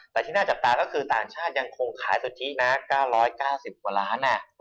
แต่ที่น่าจับตาก็คือต่างชาติยังคงขายสุทธินะ๙๙๐กว่าล้าน